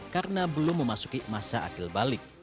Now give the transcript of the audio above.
karena belum memasuki masa akil balik